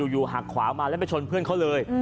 หักขวามาแล้วไปชนเพื่อนเขาเลย